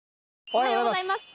おはようございます！